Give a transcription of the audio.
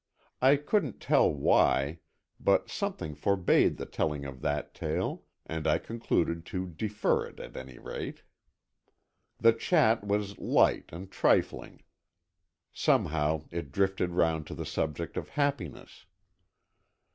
I couldn't tell why, but something forbade the telling of that tale, and I concluded to defer it, at any rate. The chat was light and trifling. Somehow it drifted round to the subject of happiness.